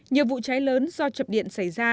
nhiều vụ cháy lớn do chập điện xảy ra